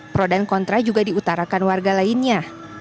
pro dan kontra juga diutarakan warga lainnya